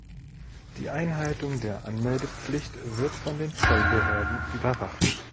Die Einhaltung der Anmeldepflicht wird von den Zollbehörden überwacht.